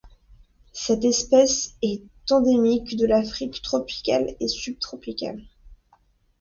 Cette espèce est endémique de l'Afrique tropicale et subtropicale.